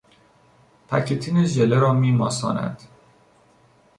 پکتین ژله را میماساند.